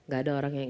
gak ada orang yang